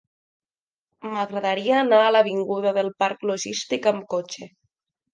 M'agradaria anar a l'avinguda del Parc Logístic amb cotxe.